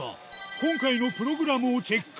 今回のプログラムをチェック。